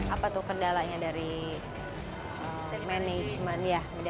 apa tuh kendalanya dari management